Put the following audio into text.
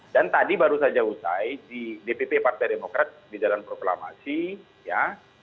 dan tadi baru saja usai di dpp partai demokrat di jalan proklamasi ya